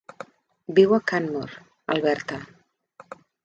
Viu a Canmore, Alberta.